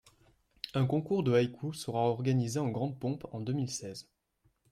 Un concours de haïkus sera organisé en grande pompe en deux mille seize.